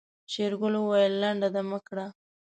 شېرګل وويل لنډه دمه کړه.